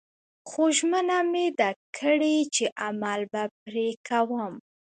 خو ژمنه مې ده کړې چې عمل به پرې کوم